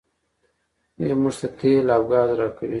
دوی موږ ته تیل او ګاز راکوي.